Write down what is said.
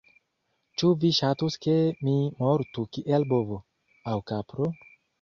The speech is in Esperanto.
Ĉu vi ŝatus ke mi mortu kiel bovo, aŭ kapro?